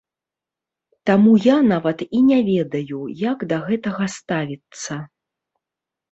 Таму я нават і не ведаю, як да гэтага ставіцца.